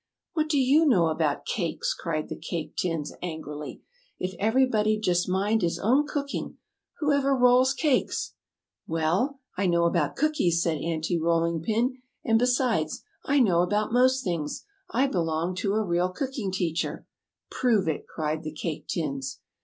"What do you know about cakes!" cried the Cake Tins, angrily. "If everybody'd just mind his own cooking who ever rolls cakes?" "Well, I know about cookies," said Aunty Rolling Pin; "and besides, I know about most things, I belonged to a real cooking teacher!" [Illustration: "Prove it!"] "Prove it!" cried the Cake Tins.